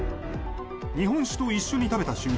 日本酒と一緒に食べた瞬間